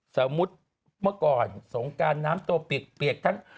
สมมุติเมื่อก่อนสงการน้ำตัวเปียกเปียกทั้ง